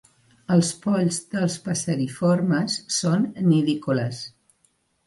Els polls dels passeriformes són nidícoles.